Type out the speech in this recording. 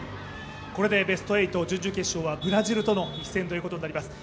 これでベスト８準々決勝はブラジルと対戦になりました。